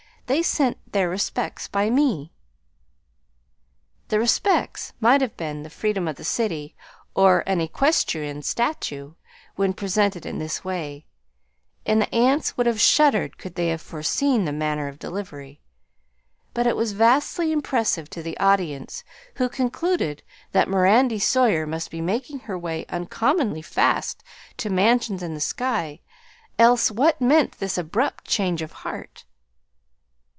They sent their respects by me." The "respects" might have been the freedom of the city, or an equestrian statue, when presented in this way, and the aunts would have shuddered could they have foreseen the manner of delivery; but it was vastly impressive to the audience, who concluded that Mirandy Sawyer must be making her way uncommonly fast to mansions in the skies, else what meant this abrupt change of heart?